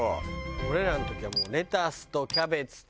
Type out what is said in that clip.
俺らの時はもうレタスとキャベツと。